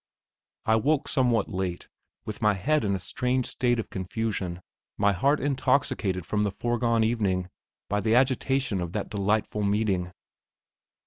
I woke somewhat late, with my head in a strange state of confusion, my heart intoxicated from the foregone evening by the agitation of that delightful meeting.